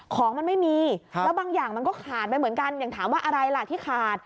ของมันไม่มีแล้วบางอย่างมันก็ขาดไปเหมือนกันอย่างถามว่าอะไรล่ะที่ขาด